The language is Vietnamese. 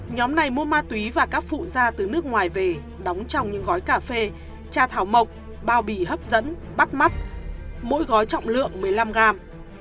nhóm này mua ma túy và các phụ da từ nước ngoài về đóng trong những gói cà phê trà thảo mộc bao bì hấp dẫn bắt mắt mỗi gói trọng lượng một mươi năm gram